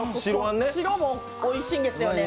白もおいしいんですよね。